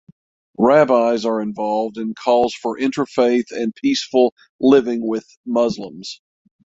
Rabbis are involved in calls for interfaith and peaceful living with Muslims.